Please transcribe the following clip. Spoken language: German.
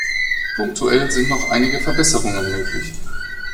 Punktuell sind noch einige Verbesserungen möglich.